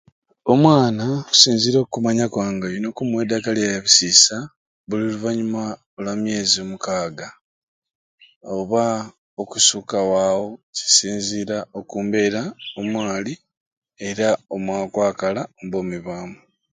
Omwana okusinzira oku kumanya kwange oyina okumuwa edagala lya bisiisa buli oluvanyuma lwa omukaaga oba okusukawo awo kisinzira ku mbeera mwali oba mwakwakala omu bwomi bwamwei